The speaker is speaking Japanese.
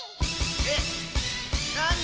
えっなに？